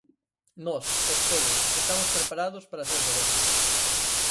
Nós, os pobos, estamos preparados para ser Goberno.